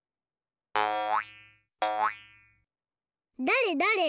だれだれ？